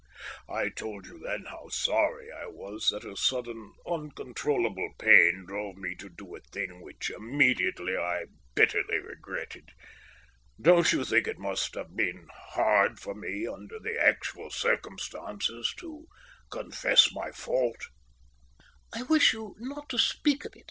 I told you then how sorry I was that a sudden uncontrollable pain drove me to do a thing which immediately I bitterly regretted. Don't you think it must have been hard for me, under the actual circumstances, to confess my fault?" "I wish you not to speak of it.